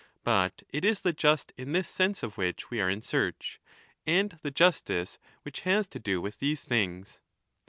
But it is the just in this sense of which we are in search, and the justice which has to do with these things.